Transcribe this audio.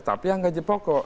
tapi yang gaji pokok